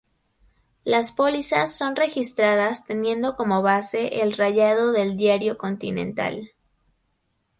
Las pólizas son registradas teniendo como base el rayado del diario continental.